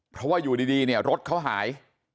เพราะว่าอยู่ดีเนี่ยรถเขาหาย